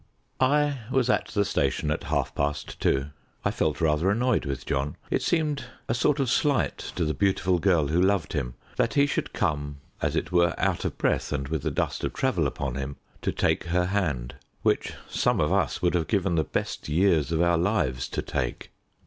I was at the station at half past two. I felt rather annoyed with John. It seemed a sort of slight to the beautiful girl who loved him, that he should come as it were out of breath, and with the dust of travel upon him, to take her hand, which some of us would have given the best years of our lives to take.